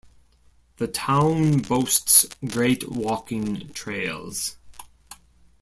The town boasts great walking trails.